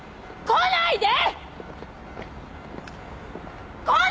来ないで！